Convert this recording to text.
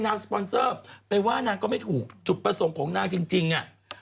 แย่นะสปอนซอร์ฟตั้งจุดประสงค์ของนานจริงเงาะ